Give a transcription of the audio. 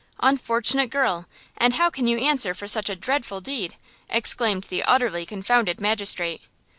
"Unfortunate girl! And how can you answer for such a dreadful deed?" exclaimed the utterly confounded magistrate.